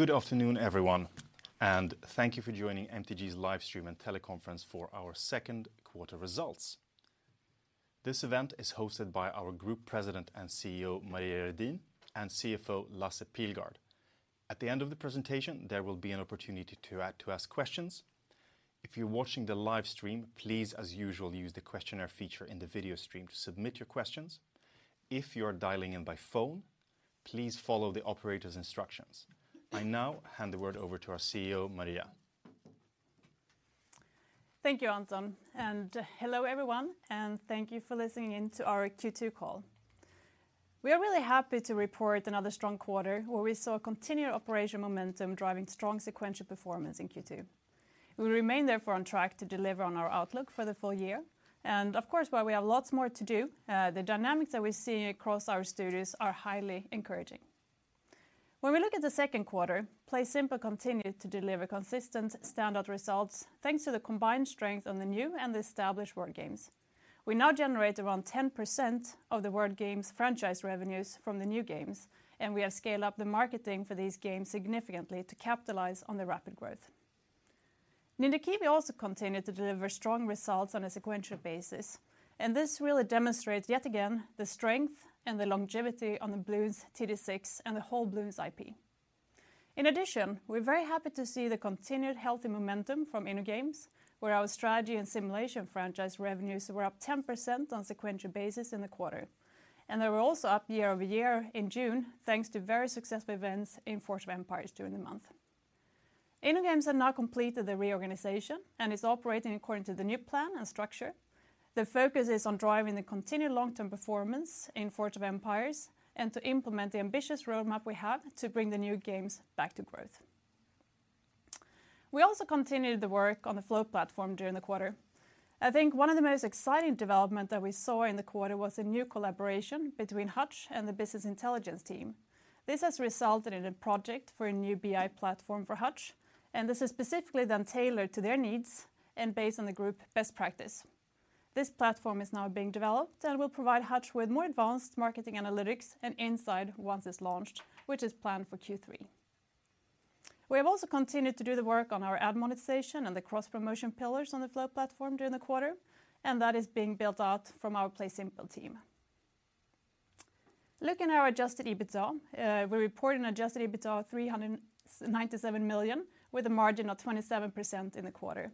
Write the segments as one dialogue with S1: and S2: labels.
S1: Good afternoon, everyone. Thank you for joining MTG's live stream and teleconference for our second quarter results. This event is hosted by our Group President and CEO, Maria Redin, and CFO, Lasse Pilgaard. At the end of the presentation, there will be an opportunity to ask questions. If you're watching the live stream, please, as usual, use the questionnaire feature in the video stream to submit your questions. If you're dialing in by phone, please follow the operator's instructions. I now hand the word over to our CEO, Maria.
S2: Thank you, Anton, hello, everyone, and thank you for listening in to our Q2 call. We are really happy to report another strong quarter, where we saw continued operation momentum driving strong sequential performance in Q2. We remain therefore on track to deliver on our outlook for the full year, and of course, while we have lots more to do, the dynamics that we're seeing across our studios are highly encouraging. When we look at the second quarter, PlaySimple continued to deliver consistent standard results, thanks to the combined strength on the new and established word games. We now generate around 10% of the Word Games franchise revenues from the new games, and we have scaled up the marketing for these games significantly to capitalize on the rapid growth. Ninja Kiwi also continued to deliver strong results on a sequential basis, This really demonstrates, yet again, the strength and the longevity on the Bloons TD 6 and the whole Bloons IP. In addition, we're very happy to see the continued healthy momentum from InnoGames, where our Strategy and Simulation franchise revenues were up 10% on sequential basis in the quarter. They were also up year-over-year in June, thanks to very successful events in Forge of Empires during the month. InnoGames have now completed the reorganization and is operating according to the new plan and structure. The focus is on driving the continued long-term performance in Forge of Empires, and to implement the ambitious roadmap we have to bring the new games back to growth. We also continued the work on the Flow Platform during the quarter. I think one of the most exciting development that we saw in the quarter was a new collaboration between Hutch and the business intelligence team. This has resulted in a project for a new BI platform for Hutch, and this is specifically then tailored to their needs and based on the group best practice. This platform is now being developed and will provide Hutch with more advanced marketing analytics and insight once it's launched, which is planned for Q3. We have also continued to do the work on our ad monetization and the cross-promotion pillars on the Flow Platform during the quarter, and that is being built out from our PlaySimple team. Looking at our Adjusted EBITDA, we reported an Adjusted EBITDA of 397 million, with a margin of 27% in the quarter.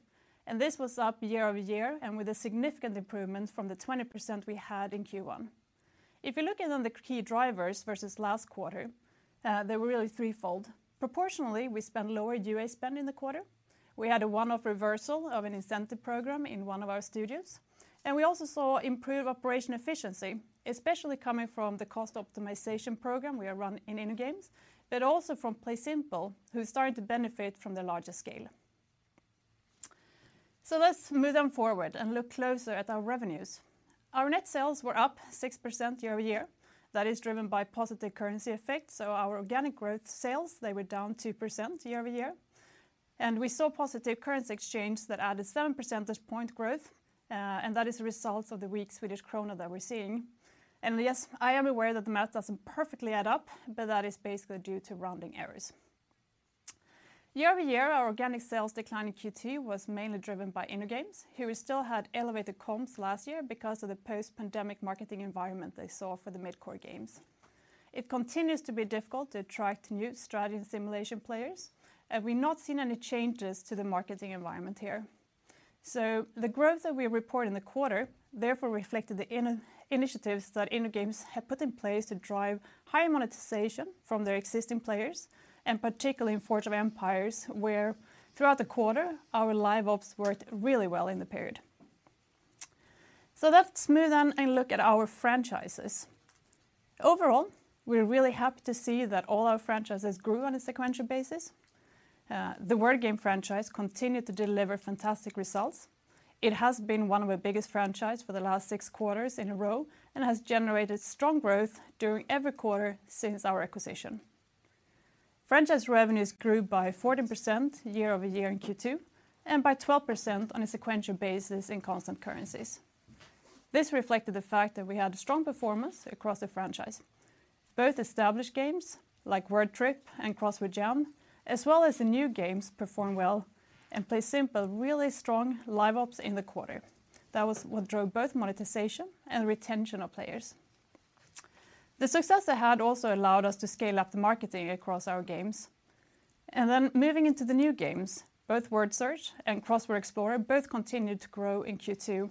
S2: This was up year-over-year with a significant improvement from the 20% we had in Q1. If you're looking on the key drivers versus last quarter, they were really threefold. Proportionally, we spent lower UA spend in the quarter. We had a one-off reversal of an incentive program in one of our studios. We also saw improved operation efficiency, especially coming from the cost optimization program we have run in InnoGames, also from PlaySimple, who are starting to benefit from the larger scale. Let's move on forward and look closer at our revenues. Our net sales were up 6% year-over-year. That is driven by positive currency effects, our organic growth sales, they were down 2% year-over-year, we saw positive currency exchange that added 7 percentage point growth, and that is a result of the weak Swedish krona that we're seeing. Yes, I am aware that the math doesn't perfectly add up, that is basically due to rounding errors. Year-over-year, our organic sales decline in Q2 was mainly driven by InnoGames, who we still had elevated comps last year because of the post-pandemic marketing environment they saw for the mid-core games. It continues to be difficult to attract new strategy and simulation players, we've not seen any changes to the marketing environment here. The growth that we report in the quarter, therefore, reflected the initiatives that InnoGames have put in place to drive higher monetization from their existing players, and particularly in Forge of Empires, where throughout the quarter, our live ops worked really well in the period. Let's move on and look at our franchises. Overall, we're really happy to see that all our franchises grew on a sequential basis. The Word Game franchise continued to deliver fantastic results. It has been one of our biggest franchise for the last 6 quarters in a row and has generated strong growth during every quarter since our acquisition. Franchise revenues grew by 14% year-over-year in Q2 and by 12% on a sequential basis in constant currencies. This reflected the fact that we had a strong performance across the franchise. Both established games, like Word Trip and Crossword Jam, as well as the new games, performed well. PlaySimple, really strong live ops in the quarter. That was what drove both monetization and retention of players. The success they had also allowed us to scale up the marketing across our games. Moving into the new games, both Word Search and Crossword Explorer both continued to grow in Q2.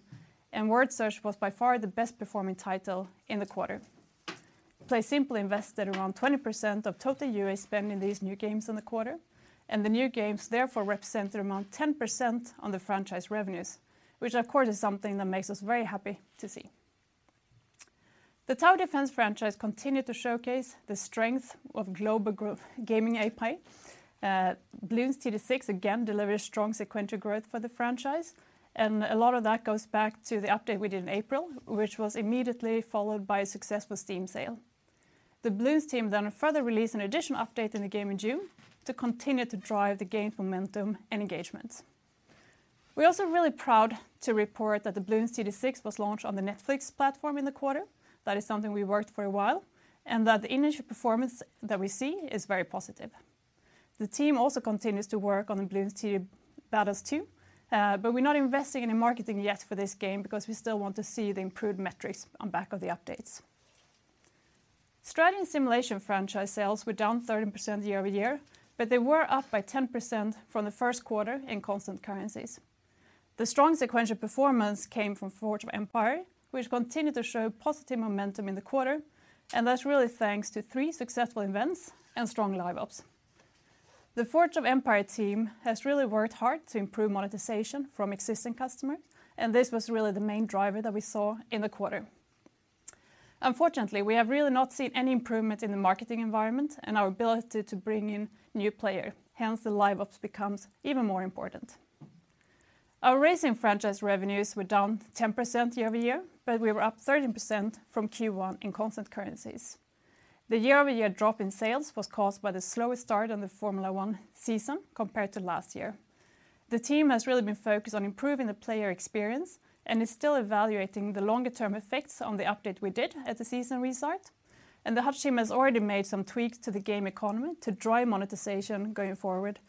S2: Word Search was by far the best performing title in the quarter. PlaySimple invested around 20% of total UA spend in these new games in the quarter. The new games therefore represent around 10% on the franchise revenues, which of course, is something that makes us very happy to see. The Tower Defense franchise continued to showcase the strength of global growth gaming IP. Bloons TD 6, again, delivered strong sequential growth for the franchise, and a lot of that goes back to the update we did in April, which was immediately followed by a successful Steam sale. The Bloons team further released an additional update in the game in June to continue to drive the game momentum and engagement. We're also really proud to report that the Bloons TD 6 was launched on the Netflix platform in the quarter. That is something we worked for a while, and that the initial performance that we see is very positive. The team also continues to work on the Bloons TD Battles 2, but we're not investing in any marketing yet for this game because we still want to see the improved metrics on back of the updates. Strategy and Simulation franchise sales were down 13% year-over-year, but they were up by 10% from the first quarter in constant currencies. The strong sequential performance came from Forge of Empires, which continued to show positive momentum in the quarter, and that's really thanks to three successful events and strong live ops. The Forge of Empires team has really worked hard to improve monetization from existing customers, and this was really the main driver that we saw in the quarter. Unfortunately, we have really not seen any improvement in the marketing environment and our ability to bring in new player, hence, the live ops becomes even more important. Our racing franchise revenues were down 10% year-over-year, but we were up 13% from Q1 in constant currencies. The year-over-year drop in sales was caused by the slower start on the Formula One season compared to last year. The team has really been focused on improving the player experience and is still evaluating the longer term effects on the update we did at the season restart. The Hutch team has already made some tweaks to the game economy to drive monetization going forward.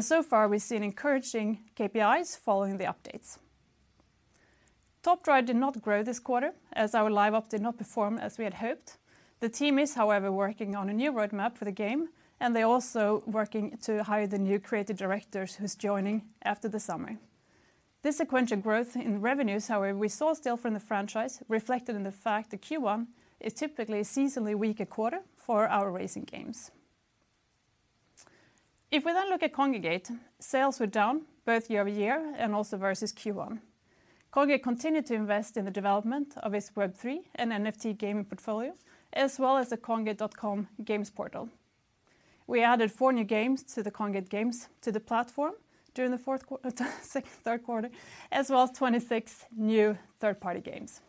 S2: So far, we've seen encouraging KPIs following the updates. Top Drives did not grow this quarter, as our live op did not perform as we had hoped. The team is, however, working on a new roadmap for the game. They're also working to hire the new creative directors who's joining after the summer. The sequential growth in revenues, however, we saw still from the franchise, reflected in the fact that Q1 is typically a seasonally weaker quarter for our racing games. If we look at Kongregate, sales were down both year-over-year and also versus Q1. Kongregate continued to invest in the development of its Web3 and NFT gaming portfolio, as well as the kongregate.com games portal. We added 4 new games to the platform during the third quarter, as well as 26 new third-party games.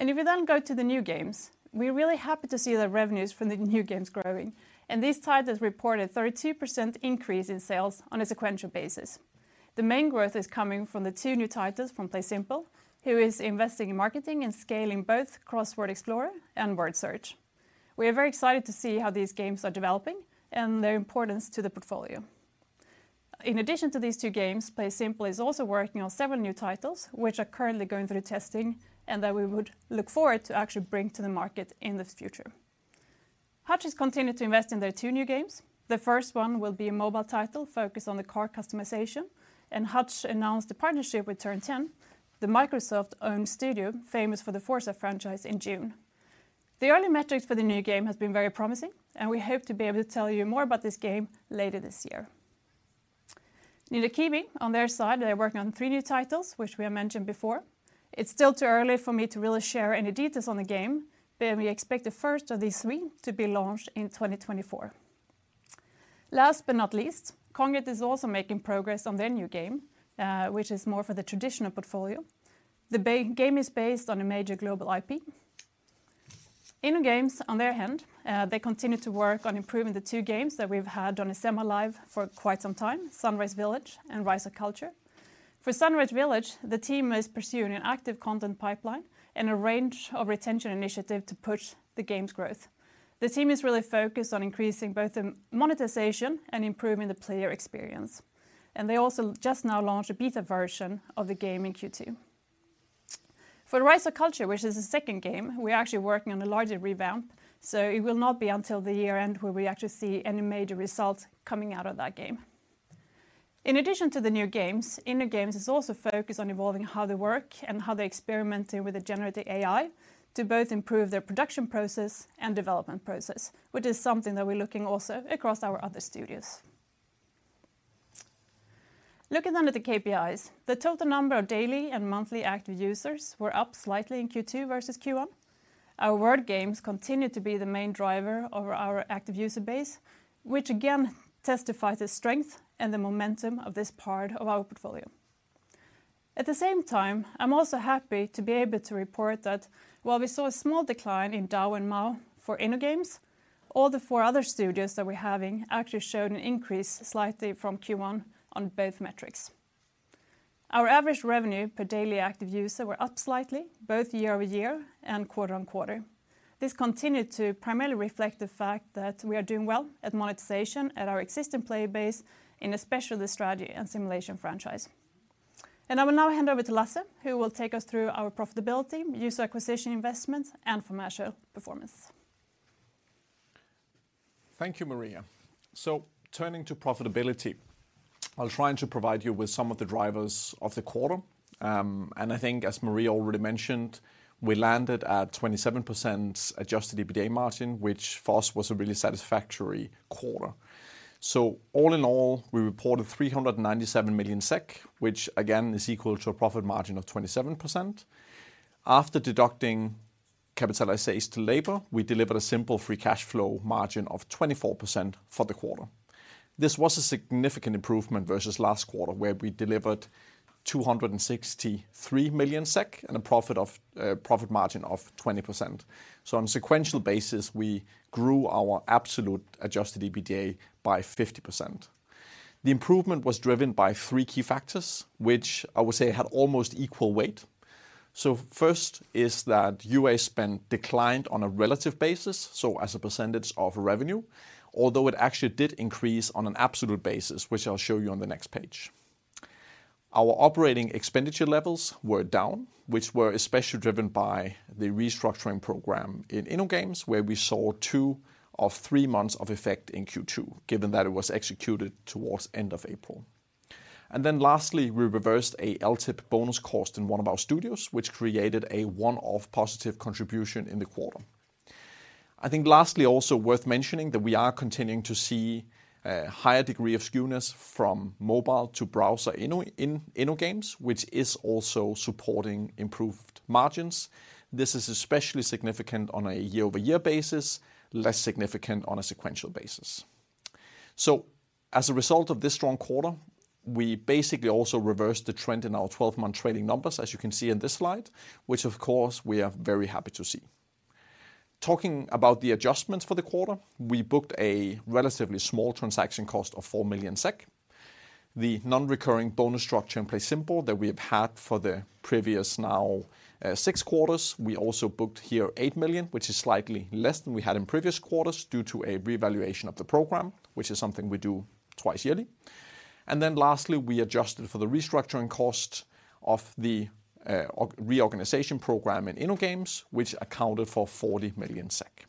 S2: If we then go to the new games, we're really happy to see the revenues from the new games growing, and these titles reported 32% increase in sales on a sequential basis. The main growth is coming from the two new titles from PlaySimple, who is investing in marketing and scaling both Crossword Explorer and Word Search. We are very excited to see how these games are developing and their importance to the portfolio. In addition to these two games, PlaySimple is also working on several new titles, which are currently going through testing, that we would look forward to actually bring to the market in the future. Hutch has continued to invest in their two new games. The first one will be a mobile title focused on the car customization, Hutch announced a partnership with Turn 10, the Microsoft-owned studio, famous for the Forza franchise in June. The early metrics for the new game has been very promising, we hope to be able to tell you more about this game later this year. Ninja Kiwi, on their side, they are working on three new titles, which we have mentioned before. It's still too early for me to really share any details on the game, we expect the first of these three to be launched in 2024. Last but not least, Kongregate is also making progress on their new game, which is more for the traditional portfolio. The game is based on a major global IP. InnoGames, on their hand, they continue to work on improving the two games that we've had on a semi-live for quite some time, Sunrise Village and Rise of Cultures. For Sunrise Village, the team is pursuing an active content pipeline and a range of retention initiative to push the game's growth. The team is really focused on increasing both the monetization and improving the player experience, and they also just now launched a beta version of the game in Q2. For Rise of Cultures, which is the second game, we're actually working on a larger rebound, so it will not be until the year end where we actually see any major results coming out of that game. In addition to the new games, InnoGames is also focused on evolving how they work and how they're experimenting with the generative AI to both improve their production process and development process, which is something that we're looking also across our other studios. Looking under the KPIs, the total number of daily and monthly active users were up slightly in Q2 versus Q1. Our Word Games continued to be the main driver of our active user base, which again testifies the strength and the momentum of this part of our portfolio. At the same time, I'm also happy to be able to report that while we saw a small decline in DAU and MAU for InnoGames, all the 4 other studios that we're having actually showed an increase slightly from Q1 on both metrics. Our average revenue per daily active user were up slightly, both year-over-year and quarter-on-quarter. This continued to primarily reflect the fact that we are doing well at monetization at our existing player base, in especially the Strategy and Simulation franchise. I will now hand over to Lasse, who will take us through our profitability, user acquisition investments, and financial performance.
S3: Thank you, Maria. Turning to profitability, I'll try to provide you with some of the drivers of the quarter. I think, as Maria already mentioned, we landed at 27% Adjusted EBITDA margin, which for us was a really satisfactory quarter. All in all, we reported 397 million SEK, which again, is equal to a profit margin of 27%. After deducting capitalization to labor, we delivered a simple free cash flow margin of 24% for the quarter. This was a significant improvement versus last quarter, where we delivered 263 million SEK, and a profit margin of 20%. On a sequential basis, we grew our absolute Adjusted EBITDA by 50%. The improvement was driven by three key factors, which I would say had almost equal weight. First is that UA spend declined on a relative basis, so as a % of revenue, although it actually did increase on an absolute basis, which I'll show you on the next page. Our OpEx levels were down, which were especially driven by the restructuring program in InnoGames, where we saw two of three months of effect in Q2, given that it was executed towards end of April. Lastly, we reversed a LTIP bonus cost in one of our studios, which created a one-off positive contribution in the quarter. I think lastly, also worth mentioning, that we are continuing to see a higher degree of skewness from mobile to browser in InnoGames, which is also supporting improved margins. This is especially significant on a year-over-year basis, less significant on a sequential basis. As a result of this strong quarter, we basically also reversed the trend in our 12-month trailing numbers, as you can see in this slide, which of course, we are very happy to see. Talking about the adjustments for the quarter, we booked a relatively small transaction cost of 4 million SEK. The non-recurring bonus structure in PlaySimple that we have had for the previous now, six quarters, we also booked here 8 million, which is slightly less than we had in previous quarters due to a reevaluation of the program, which is something we do twice yearly. Lastly, we adjusted for the restructuring cost of the reorganization program in InnoGames, which accounted for 40 million SEK.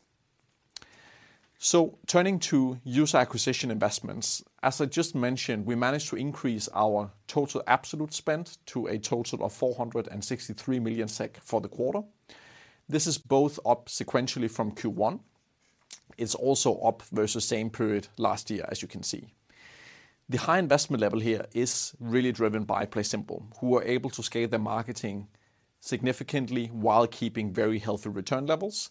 S3: Turning to user acquisition investments, as I just mentioned, we managed to increase our total absolute spend to a total of 463 million SEK for the quarter. This is both up sequentially from Q1. It's also up versus same period last year, as you can see. The high investment level here is really driven by PlaySimple, who are able to scale their marketing significantly while keeping very healthy return levels.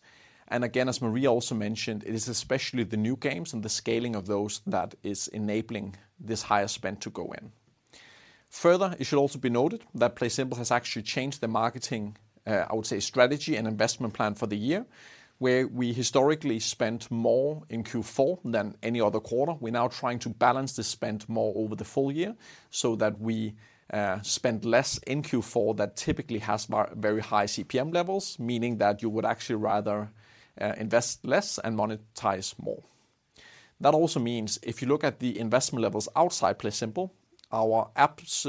S3: Again, as Maria also mentioned, it is especially the new games and the scaling of those that is enabling this higher spend to go in. Further, it should also be noted that PlaySimple has actually changed the marketing, I would say, strategy and investment plan for the year, where we historically spent more in Q4 than any other quarter. We're now trying to balance the spend more over the full year, so that we spend less in Q4, that typically has very high CPM levels, meaning that you would actually rather invest less and monetize more. That also means if you look at the investment levels outside PlaySimple, our apps,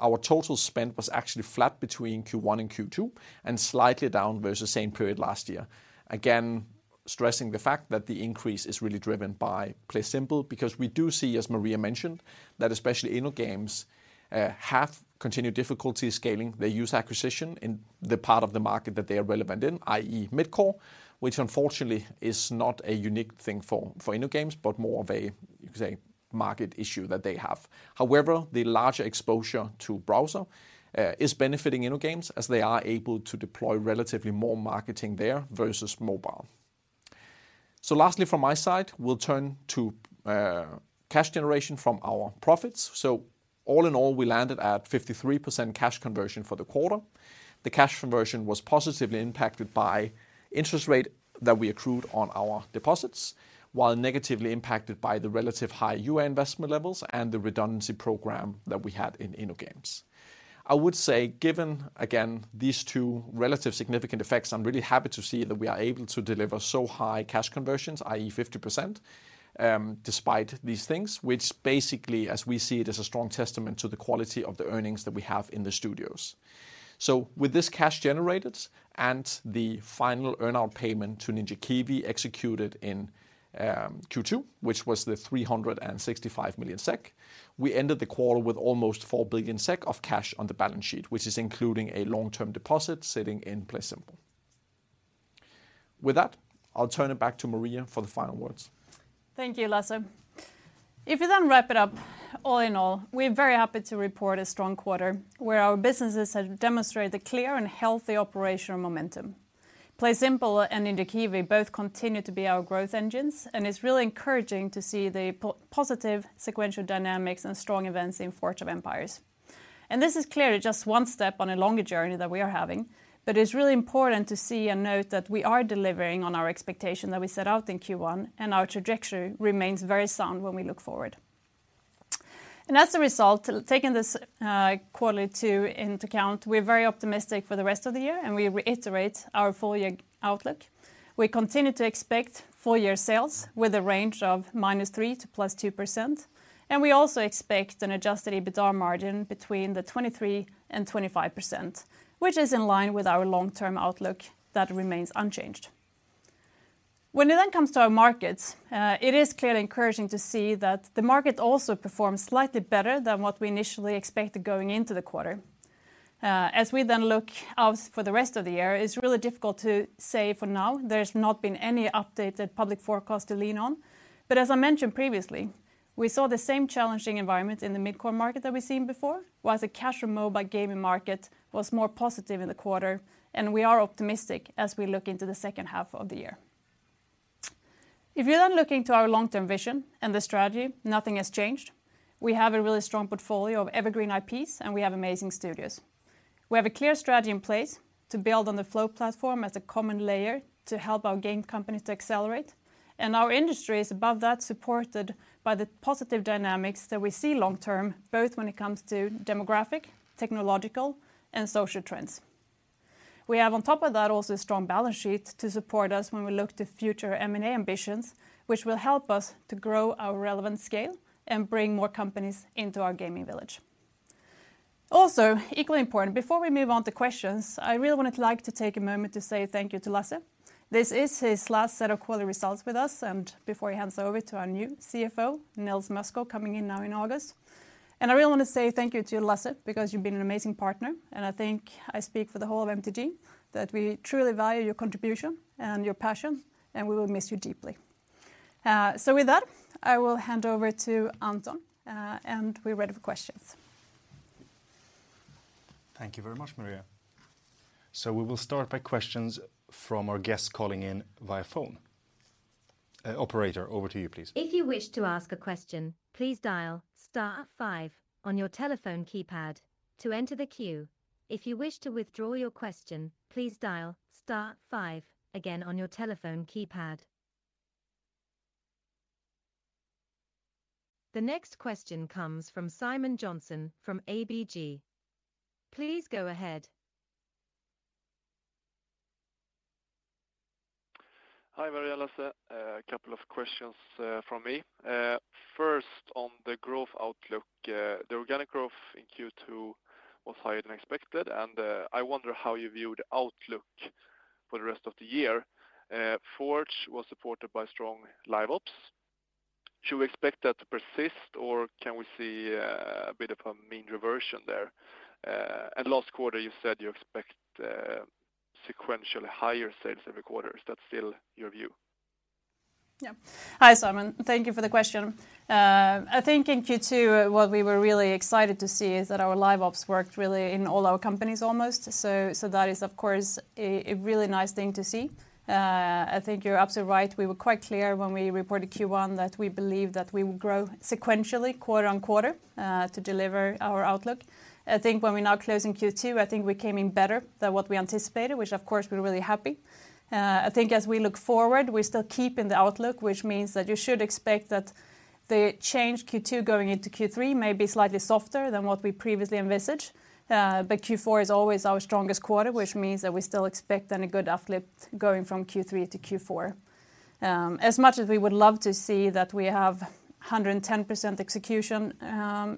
S3: our total spend was actually flat between Q1 and Q2, and slightly down versus same period last year. Again, stressing the fact that the increase is really driven by PlaySimple, because we do see, as Maria mentioned, that especially InnoGames have continued difficulty scaling the user acquisition in the part of the market that they are relevant in, i.e. mid-core, which unfortunately is not a unique thing for InnoGames, but more of a, you could say, market issue that they have. However, the larger exposure to browser is benefiting InnoGames, as they are able to deploy relatively more marketing there versus mobile. Lastly, from my side, we'll turn to cash generation from our profits. All in all, we landed at 53% cash conversion for the quarter. The cash conversion was positively impacted by interest rate that we accrued on our deposits, while negatively impacted by the relative high UA investment levels and the redundancy program that we had in InnoGames. I would say, given, again, these two relative significant effects, I'm really happy to see that we are able to deliver so high cash conversions, i.e., 50%, despite these things, which basically, as we see it, is a strong testament to the quality of the earnings that we have in the studios. With this cash generated and the final earn-out payment to Ninja Kiwi executed in Q2, which was 365 million SEK, we ended the quarter with almost 4 billion SEK of cash on the balance sheet, which is including a long-term deposit sitting in PlaySimple. With that, I'll turn it back to Maria for the final words.
S2: Thank you, Lasse. If we then wrap it up, all in all, we are very happy to report a strong quarter, where our businesses have demonstrated a clear and healthy operational momentum. PlaySimple and Ninja Kiwi both continue to be our growth engines, and it's really encouraging to see the positive sequential dynamics and strong events in Forge of Empires. This is clearly just one step on a longer journey that we are having, but it's really important to see and note that we are delivering on our expectation that we set out in Q1, and our trajectory remains very sound when we look forward. As a result, taking this quarterly 2 into account, we're very optimistic for the rest of the year, and we reiterate our full-year outlook. We continue to expect full-year sales with a range of -3% to +2%, and we also expect an Adjusted EBITDA margin between 23% and 25%, which is in line with our long-term outlook that remains unchanged. When it then comes to our markets, it is clearly encouraging to see that the market also performed slightly better than what we initially expected going into the quarter. As we then look out for the rest of the year, it's really difficult to say for now. There's not been any updated public forecast to lean on, but as I mentioned previously, we saw the same challenging environment in the mid-core market that we've seen before, whilst the casual mobile gaming market was more positive in the quarter, and we are optimistic as we look into the second half of the year. If you're looking to our long-term vision and the strategy, nothing has changed. We have a really strong portfolio of evergreen IPs, and we have amazing studios. We have a clear strategy in place to build on the Flow Platform as a common layer to help our game companies to accelerate. Our industry is above that, supported by the positive dynamics that we see long-term, both when it comes to demographic, technological, and social trends. We have on top of that, also a strong balance sheet to support us when we look to future M&A ambitions, which will help us to grow our relevant scale and bring more companies into our gaming village. Equally important, before we move on to questions, I really would like to take a moment to say thank you to Lasse. This is his last set of quarterly results with us, before he hands over to our new CFO, Nils Mösko, coming in now in August. I really want to say thank you to Lasse, because you've been an amazing partner, and I think I speak for the whole of MTG, that we truly value your contribution and your passion, and we will miss you deeply. So with that, I will hand over to Anton, and we're ready for questions.
S1: Thank you very much, Maria. We will start by questions from our guests calling in via phone. Operator, over to you, please.
S4: If you wish to ask a question, please dial star 5 on your telephone keypad to enter the queue. If you wish to withdraw your question, please dial star 5 again on your telephone keypad. The next question comes from Simon Jönsson from ABG. Please go ahead.
S5: Hi, Maria, Lasse. A couple of questions from me. First, on the growth outlook, the organic growth in Q2 was higher than expected, and I wonder how you view the outlook for the rest of the year. Forge was supported by strong live ops. Should we expect that to persist, or can we see a bit of a mean reversion there? Last quarter, you said you expect sequential higher sales every quarter. Is that still your view?
S2: Hi, Simon. Thank you for the question. I think in Q2, what we were really excited to see is that our live ops worked really in all our companies almost. That is, of course, a really nice thing to see. I think you're absolutely right. We were quite clear when we reported Q1, that we believe that we will grow sequentially, quarter-on-quarter to deliver our outlook. I think when we're now closing Q2, I think we came in better than what we anticipated, which, of course, we're really happy. I think as we look forward, we're still keeping the outlook, which means that you should expect that the change Q2 going into Q3 may be slightly softer than what we previously envisaged. Q4 is always our strongest quarter, which means that we still expect then a good uplift going from Q3 to Q4. As much as we would love to see that we have 110% execution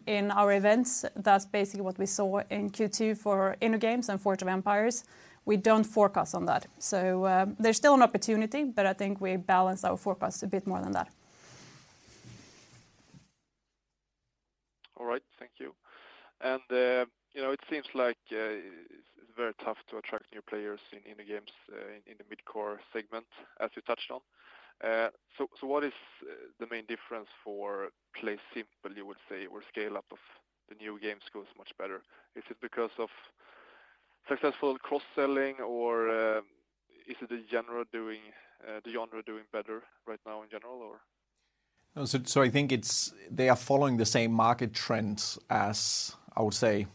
S2: in our events, that's basically what we saw in Q2 for InnoGames and Forge of Empires, we don't forecast on that. There's still an opportunity, but I think we balance our forecast a bit more than that.
S5: All right. Thank you. You know, it seems like, it's very tough to attract new players in InnoGames, in the mid-core segment, as you touched on. What is the main difference for PlaySimple, you would say, where scale-up of the new games goes much better? Is it because of successful cross-selling, or, is it the genre doing better right now in general, or?
S3: So I think they are following the same market trends as I would say,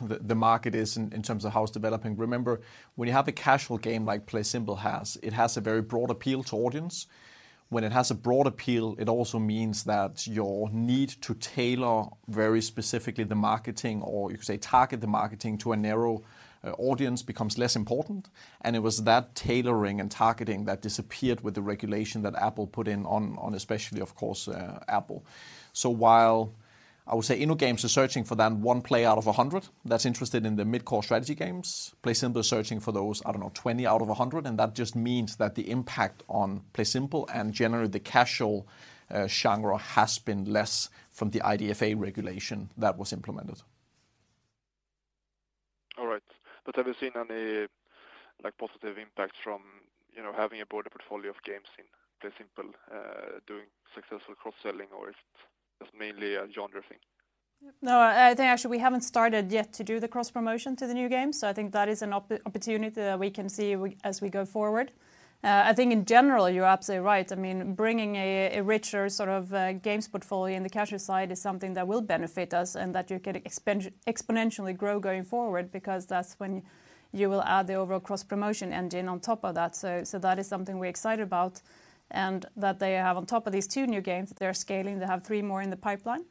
S3: the market is in terms of how it's developing. Remember, when you have a casual game like PlaySimple has, it has a very broad appeal to audience. When it has a broad appeal, it also means that your need to tailor very specifically the marketing or you could say, target the marketing to a narrow audience, becomes less important. It was that tailoring and targeting that disappeared with the regulation that Apple put in on especially, of course, Apple. While I would say InnoGames is searching for that 1 player out of 100, that's interested in the mid-core strategy games, PlaySimple is searching for those, I don't know, 20 out of 100, and that just means that the impact on PlaySimple and generally the casual genre has been less from the IDFA regulation that was implemented.
S5: All right. Have you seen any, like, positive impact from, you know, having a broader portfolio of games in PlaySimple, doing successful cross-selling, or is it just mainly a genre thing?
S2: No, I think actually we haven't started yet to do the cross-promotion to the new game, so I think that is an opportunity that we can see as we go forward. I think in general, you're absolutely right. I mean, bringing a richer sort of games portfolio in the casual side is something that will benefit us, and that you can exponentially grow going forward, because that's when you will add the overall cross-promotion engine on top of that. That is something we're excited about, and that they have on top of these two new games, they're scaling, they have three more in the pipeline,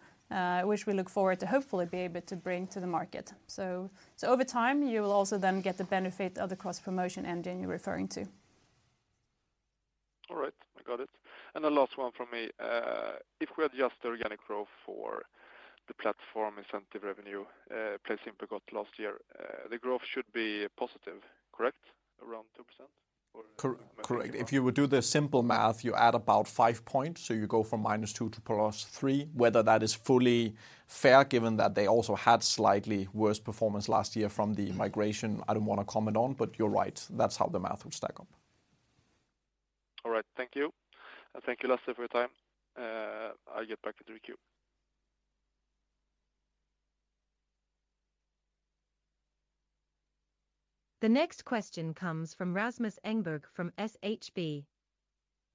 S2: which we look forward to hopefully be able to bring to the market. Over time, you will also then get the benefit of the cross-promotion engine you're referring to.
S5: All right. I got it. The last one from me. If we adjust the organic growth for the platform incentive revenue, PlaySimple got last year, the growth should be positive, correct? Around 2% or-
S3: Correct. If you would do the simple math, you add about five points, so you go from -2 to +3. That is fully fair, given that they also had slightly worse performance last year from the migration, I don't want to comment on, but you're right, that's how the math would stack up.
S5: All right, thank you. Thank you, Lasse, for your time. I'll get back to the queue.
S4: The next question comes from Rasmus Engberg from SHB.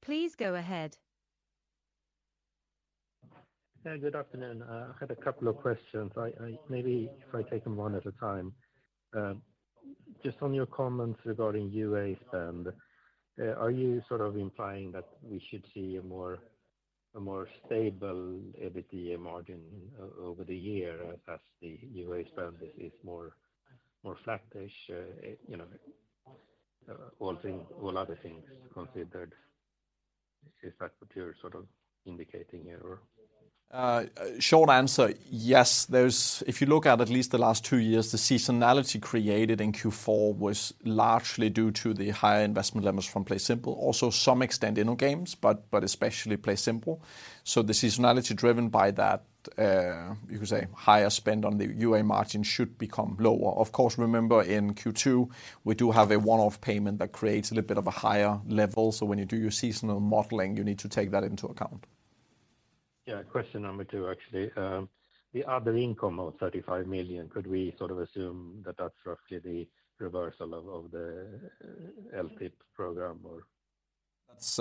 S4: Please go ahead.
S6: Good afternoon. I had a couple of questions. Maybe if I take them one at a time. Just on your comments regarding UA spend, are you sort of implying that we should see a more stable EBITDA margin over the year as the UA spend is more flattish, you know, all other things considered? Is that what you're sort of indicating here or?
S3: Short answer, yes. If you look at at least the last two years, the seasonality created in Q4 was largely due to the higher investment levels from PlaySimple. Also, some extent in our games, but especially PlaySimple. The seasonality driven by that, you could say, higher spend on the UA margin should become lower. Of course, remember, in Q2, we do have a one-off payment that creates a little bit of a higher level. When you do your seasonal modeling, you need to take that into account.
S6: Yeah. Question number two, actually. The other income of 35 million, could we sort of assume that that's roughly the reversal of the LTIP program, or?
S3: That's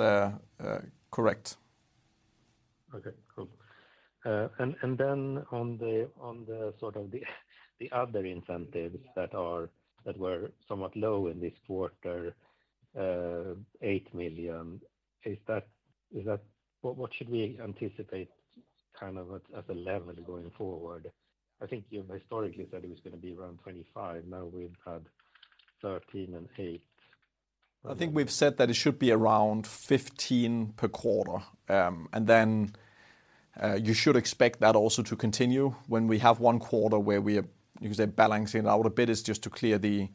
S3: correct.
S6: Okay, cool. On the sort of the other incentives that were somewhat low in this quarter, 8 million, is that what should we anticipate kind of at a level going forward? I think you historically said it was gonna be around 25 million. Now, we've had 13 million and 8 million.
S3: I think we've said that it should be around 15 per quarter. Then you should expect that also to continue when we have 1 quarter where we are, you can say, balancing it out a bit, is just to clear the,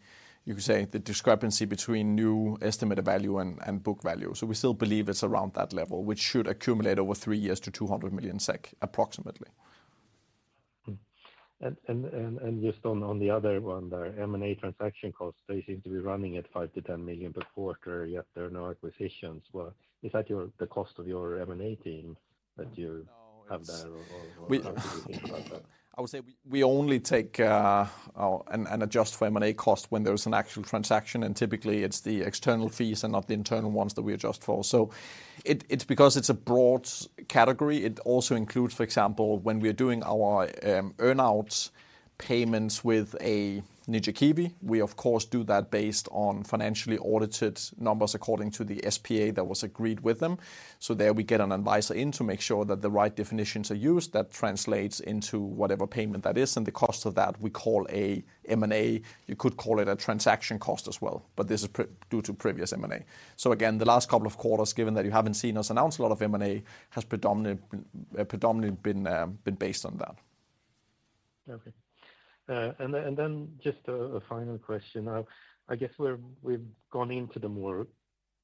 S3: you could say, the discrepancy between new estimated value and book value. We still believe it's around that level, which should accumulate over 3 years to 200 million SEK, approximately.
S6: Just on the other one, the M&A transaction costs, they seem to be running at 5 million-10 million per quarter, yet there are no acquisitions. Well, is that the cost of your M&A team that you have there or?
S3: We, I would say we only take an adjusted for M&A cost when there is an actual transaction. Typically it's the external fees and not the internal ones that we adjust for. It's because it's a broad category. It also includes, for example, when we're doing our earn outs payments with a Ninja Kiwi, we of course, do that based on financially audited numbers, according to the SPA that was agreed with them. There we get an advisor in to make sure that the right definitions are used. That translates into whatever payment that is, and the cost of that, we call a M&A. You could call it a transaction cost as well, but this is due to previous M&A.Again, the last couple of quarters, given that you haven't seen us announce a lot of M&A, has predominantly been based on that.
S6: Okay. Just a final question. I guess we've gone into the more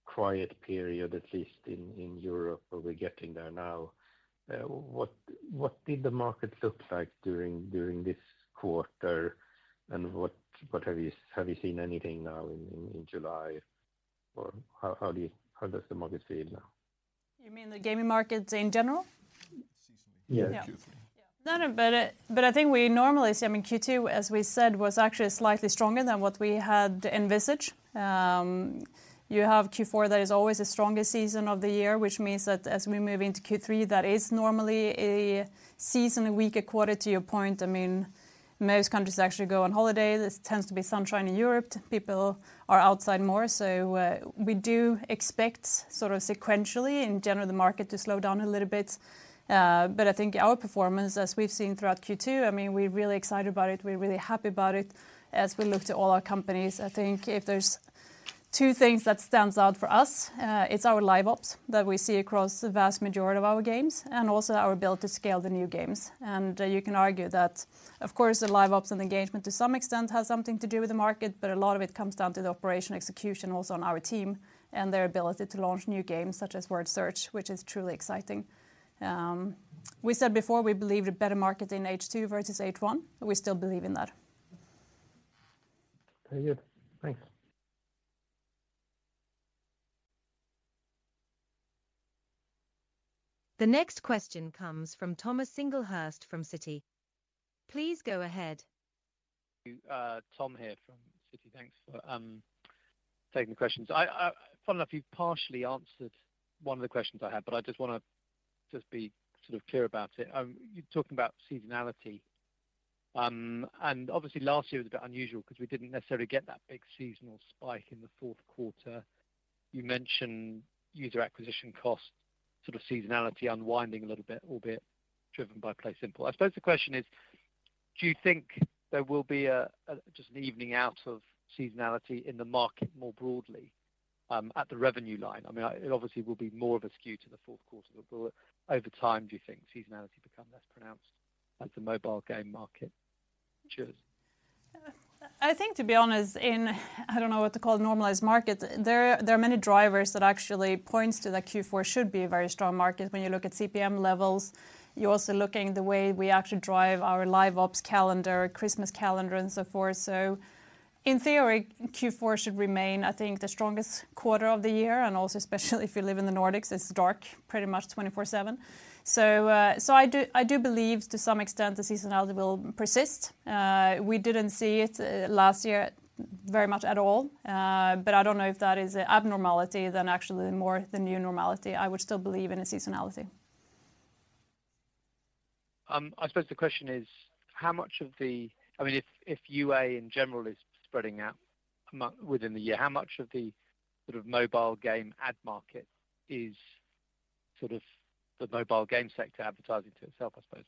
S6: quiet period, at least in Europe, or we're getting there now. What did the market look like during this quarter, and what have you seen anything now in July, or how does the market feel now?
S2: You mean the gaming markets in general?
S6: Seasonally.
S3: Yeah, Q3.
S2: Yeah. No, no. I think we normally see, I mean, Q2, as we said, was actually slightly stronger than what we had envisaged. You have Q4, that is always the strongest season of the year, which means that as we move into Q3, that is normally a seasonally weaker quarter, to your point. I mean, most countries actually go on holiday. There tends to be sunshine in Europe. People are outside more. We do expect sort of sequentially, in general, the market to slow down a little bit. I think our performance, as we've seen throughout Q2, I mean, we're really excited about it. We're really happy about it. As we look to all our companies, I think if there's two things that stands out for us, it's our live ops that we see across the vast majority of our games, and also our ability to scale the new games. You can argue that, of course, the live ops and engagement to some extent has something to do with the market, but a lot of it comes down to the operation execution also on our team and their ability to launch new games, such as Word Search, which is truly exciting. We said before, we believe a better market in H2 versus H1, and we still believe in that.
S6: Very good. Thanks.
S4: The next question comes from Thomas Singlehurst from Citi. Please go ahead.
S7: You, Tom here from Citi. Thanks for taking the questions. I funnily enough, you partially answered one of the questions I had, but I just want to just be sort of clear about it. You're talking about seasonality, and obviously last year was a bit unusual because we didn't necessarily get that big seasonal spike in the fourth quarter. You mentioned user acquisition costs, sort of seasonality unwinding a little bit, albeit driven by PlaySimple. I suppose the question is: do you think there will be just an evening out of seasonality in the market more broadly, at the revenue line? I mean, it obviously will be more of a skew to the fourth quarter, but over time, do you think seasonality become less pronounced at the mobile game market? Cheers.
S2: I think to be honest, in, I don't know what to call it, normalized markets, there are many drivers that actually points to that Q4 should be a very strong market when you look at CPM levels. You're also looking at the way we actually drive our live ops calendar, Christmas calendar and so forth. In theory, Q4 should remain, I think, the strongest quarter of the year, and also especially if you live in the Nordics, it's dark, pretty much 24/7. I do believe to some extent the seasonality will persist. We didn't see it last year very much at all, but I don't know if that is an abnormality than actually more the new normality. I would still believe in a seasonality.
S7: I suppose the question is: I mean, if UA in general is spreading out within the year, how much of the sort of mobile game ad market is sort of the mobile game sector advertising to itself, I suppose.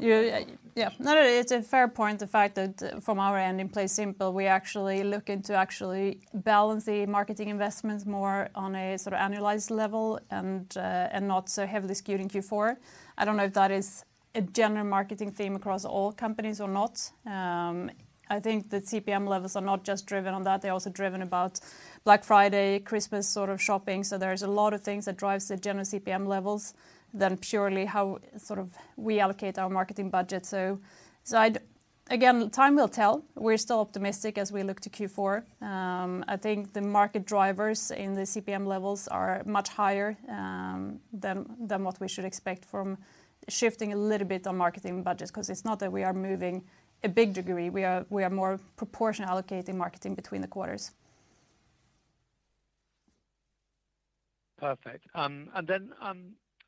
S2: Yeah. No, it's a fair point. The fact that from our end, in PlaySimple, we actually look into actually balancing marketing investments more on a sort of annualized level and not so heavily skewed in Q4. I don't know if that is a general marketing theme across all companies or not. I think the CPM levels are not just driven on that, they're also driven about Black Friday, Christmas sort of shopping. There's a lot of things that drives the general CPM levels than purely how sort of we allocate our marketing budget. I, again, time will tell. We're still optimistic as we look to Q4. I think the market drivers in the CPM levels are much higher, than what we should expect from shifting a little bit on marketing budgets, 'cause it's not that we are moving a big degree, we are more proportion allocating marketing between the quarters.
S7: Perfect. Then, I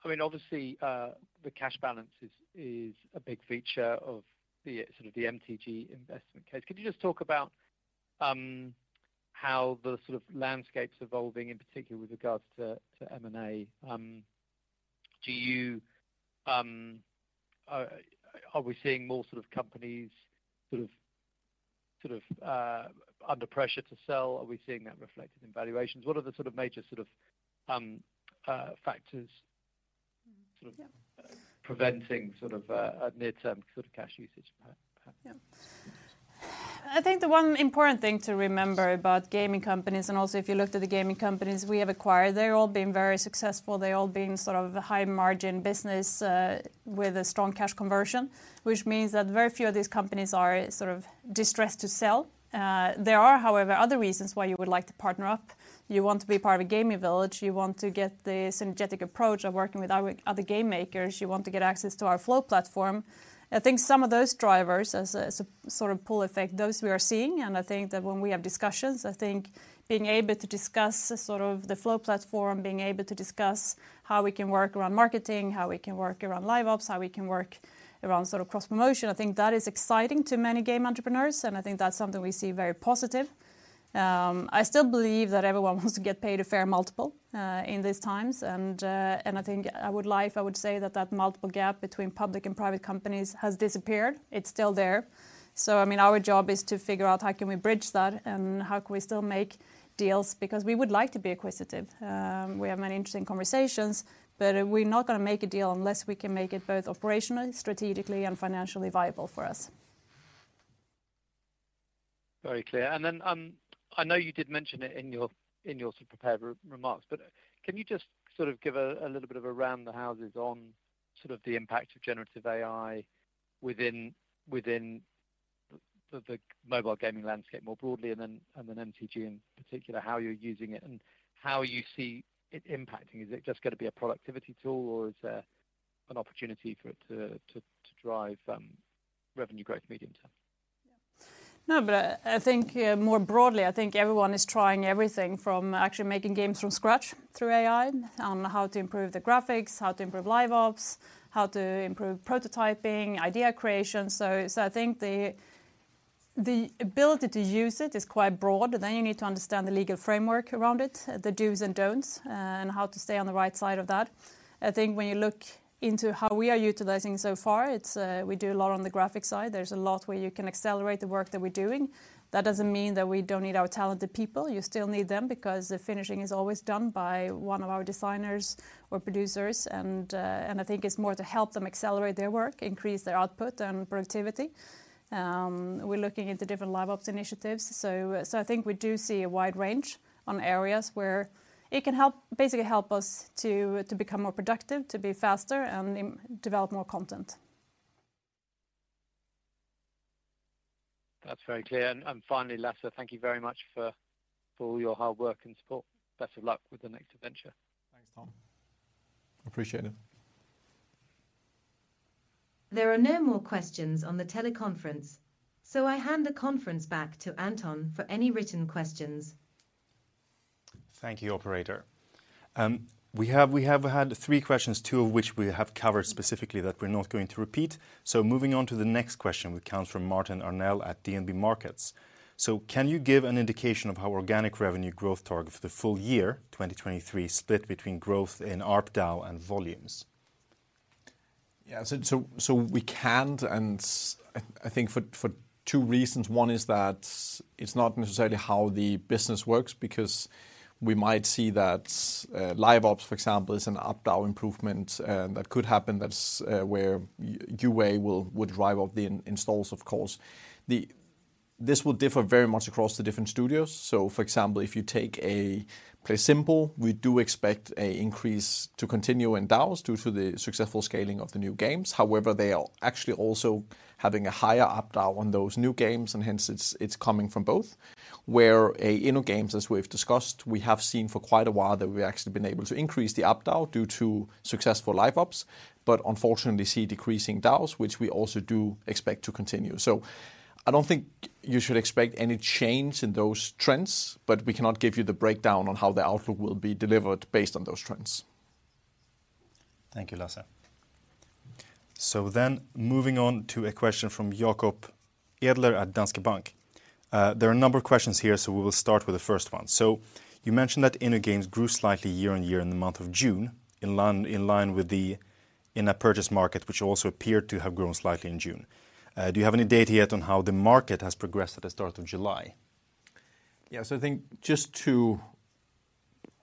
S7: mean, obviously, the cash balance is a big feature of the MTG investment case. Could you just talk about how the landscape's evolving, in particular with regards to M&A? Are we seeing more sort of companies sort of under pressure to sell? Are we seeing that reflected in valuations? What are the sort of major factors?
S2: Yeah...
S7: preventing sort of a midterm sort of cash usage, perhaps?
S2: Yeah. I think the one important thing to remember about gaming companies, and also if you looked at the gaming companies we have acquired, they all been very successful, they all been sort of high-margin business, with a strong cash conversion, which means that very few of these companies are sort of distressed to sell. There are, however, other reasons why you would like to partner up. You want to be part of a gaming village, you want to get the synergetic approach of working with other game makers, you want to get access to our Flow Platform. I think some of those drivers, as a sort of pull effect, those we are seeing, and I think that when we have discussions, I think being able to discuss the sort of the Flow Platform, being able to discuss how we can work around marketing, how we can work around live ops, how we can work around sort of cross promotion, I think that is exciting to many game entrepreneurs, and I think that's something we see very positive. I still believe that everyone wants to get paid a fair multiple in these times. I think I would lie if I would say that that multiple gap between public and private companies has disappeared. It's still there. I mean, our job is to figure out how can we bridge that, and how can we still make deals, because we would like to be acquisitive. We have many interesting conversations, but we're not gonna make a deal unless we can make it both operationally, strategically, and financially viable for us.
S7: Very clear. I know you did mention it in your sort of prepared re-remarks, but can you just sort of give a little bit of around the houses on sort of the impact of generative AI within the mobile gaming landscape more broadly, and then MTG in particular, how you're using it and how you see it impacting? Is it just gonna be a productivity tool, or is there an opportunity for it to drive revenue growth medium term?
S2: Yeah, no, I think, more broadly, I think everyone is trying everything from actually making games from scratch through AI, on how to improve the graphics, how to improve live ops, how to improve prototyping, idea creation. I think the ability to use it is quite broad. Then you need to understand the legal framework around it, the dos and don'ts, and how to stay on the right side of that. I think when you look into how we are utilizing so far, it's we do a lot on the graphic side. There's a lot where you can accelerate the work that we're doing. That doesn't mean that we don't need our talented people. You still need them, because the finishing is always done by one of our designers or producers. I think it's more to help them accelerate their work, increase their output and productivity. We're looking into different live ops initiatives. I think we do see a wide range on areas where it can basically help us to become more productive, to be faster, and develop more content.
S7: That's very clear. Finally, Lasse, thank you very much for your hard work and support. Best of luck with the next adventure.
S3: Thanks, Tom. Appreciate it.
S4: There are no more questions on the teleconference, so I hand the conference back to Anton for any written questions.
S1: Thank you, operator. We have had 3 questions, 2 of which we have covered specifically that we're not going to repeat. Moving on to the next question, which comes from Martin Arnell at DNB Markets: Can you give an indication of how organic revenue growth target for the full year 2023, split between growth in ARPDAU and volumes?
S3: We can't. I think for 2 reasons. One is that it's not necessarily how the business works, because we might see that live ops, for example, is an ARPDAU improvement that could happen. That's where UA would drive up the installs, of course. This will differ very much across the different studios. For example, if you take a PlaySimple, we do expect a increase to continue in DAUs due to the successful scaling of the new games. However, they are actually also having a higher up DAU on those new games, and hence, it's coming from both. Where InnoGames, as we've discussed, we have seen for quite a while that we've actually been able to increase the ARPDAU due to successful live ops, but unfortunately see decreasing DAUs, which we also do expect to continue. I don't think you should expect any change in those trends, but we cannot give you the breakdown on how the outlook will be delivered based on those trends.
S1: Thank you, Lasse. Moving on to a question from Jacob Edler at Danske Bank. There are a number of questions here, we will start with the first one. You mentioned that InnoGames grew slightly year-over-year in the month of June, in line with the in-app purchase market, which also appeared to have grown slightly in June. Do you have any data yet on how the market has progressed at the start of July?
S3: I think just to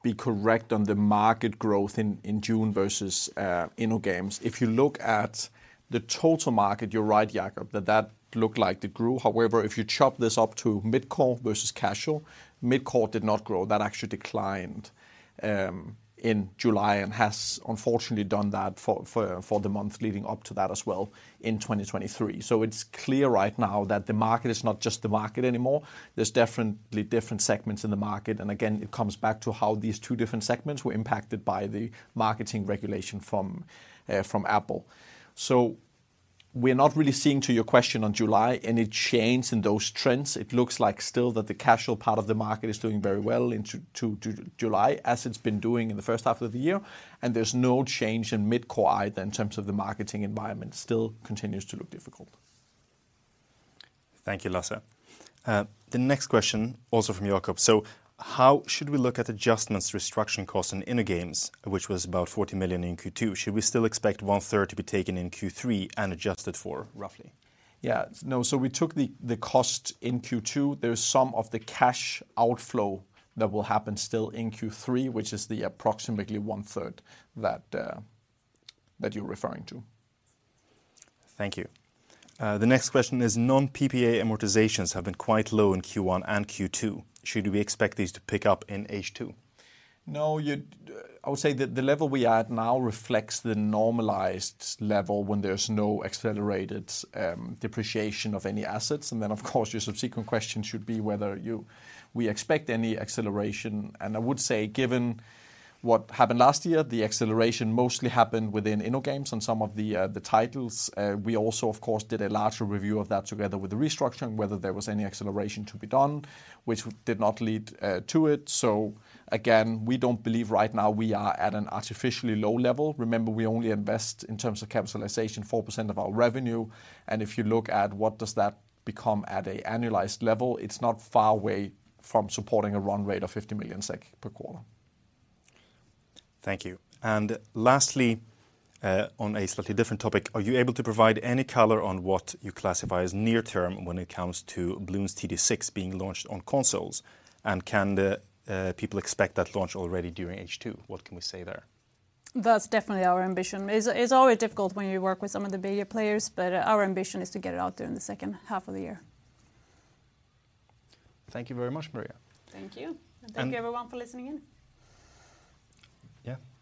S3: be correct on the market growth in June versus InnoGames, if you look at the total market, you're right, Jacob, that looked like it grew. However, if you chop this up to mid-core versus casual, mid-core did not grow. That actually declined in July, and has unfortunately done that for the month leading up to that as well in 2023. It's clear right now that the market is not just the market anymore. There's definitely different segments in the market, and again, it comes back to how these two different segments were impacted by the marketing regulation from Apple. We're not really seeing, to your question on July, any change in those trends. It looks like still that the casual part of the market is doing very well into July, as it's been doing in the first half of the year. There's no change in mid-core either, in terms of the marketing environment, still continues to look difficult.
S1: Thank you, Lasse. The next question, also from Jacob: "How should we look at adjustments, restructuring costs in InnoGames, which was about 40 million in Q2? Should we still expect one third to be taken in Q3 and adjusted for, roughly?
S3: Yeah. No, we took the cost in Q2. There's some of the cash outflow that will happen still in Q3, which is the approximately one third that you're referring to.
S1: Thank you. The next question is: "Non-PPA amortizations have been quite low in Q1 and Q2. Should we expect these to pick up in H2?
S3: No, I would say that the level we are at now reflects the normalized level when there's no accelerated depreciation of any assets. Then, of course, your subsequent question should be whether we expect any acceleration. I would say, given what happened last year, the acceleration mostly happened within InnoGames on some of the titles. We also, of course, did a larger review of that together with the restructuring, whether there was any acceleration to be done, which did not lead to it. Again, we don't believe right now we are at an artificially low level. Remember, we only invest, in terms of capitalization, 4% of our revenue, and if you look at what does that become at an annualized level, it's not far away from supporting a run rate of 50 million SEK per quarter.
S1: Thank you. Lastly, on a slightly different topic: "Are you able to provide any color on what you classify as near term when it comes to Bloons TD 6 being launched on consoles? Can the people expect that launch already during H2? What can we say there?
S2: That's definitely our ambition. It's always difficult when you work with some of the bigger players, but our ambition is to get it out there in the second half of the year.
S1: Thank you very much, Maria.
S2: Thank you.
S1: And-
S2: Thank you, everyone, for listening in.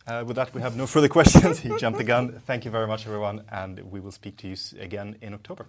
S1: Yeah, with that, we have no further questions. You jumped the gun. Thank you very much, everyone. We will speak to you again in October.